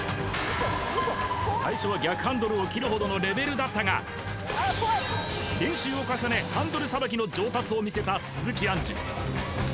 最初は逆ハンドルを切るほどのレベルだったが練習を重ねハンドルさばきの上達をみせた鈴木杏樹